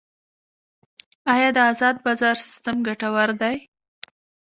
آیا د ازاد بازار سیستم ګټور دی؟